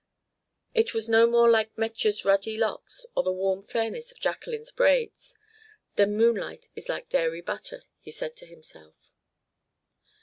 It was no more like Metje's ruddy locks, or the warm fairness of Jacqueline's braids, than moonlight is like dairy butter, he said to himself.